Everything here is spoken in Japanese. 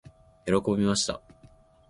喜びました。